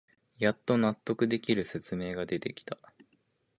やっと納得できる説明が出てきた